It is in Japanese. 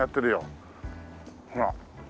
ほら。